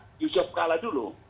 atau yusuf kala dulu